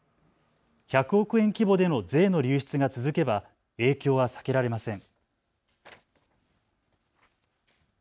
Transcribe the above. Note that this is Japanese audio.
１００億円規模での税の流出が続けば影響は避けられません。